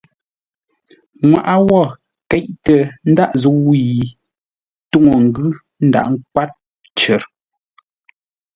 Nŋwaʼa wó keʼtə́ ndǎghʼ zə̂u yi túŋə́ ngʉ́ ndǎghʼ kwár cər.